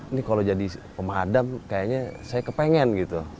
ini kalau jadi pemadam kayaknya saya kepengen gitu